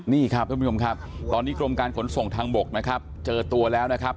นี่ครับท่านผู้ชมครับตอนนี้กรมการขนส่งทางบกนะครับเจอตัวแล้วนะครับ